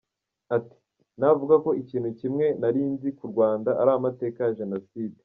Ati “Navuga ko ikintu kimwe nari nzi ku Rwanda ari amateka ya Jenoside.